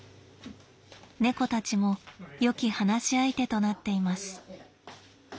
猫たちもよき話し相手となっています。